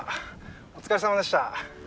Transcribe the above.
お疲れさまでした。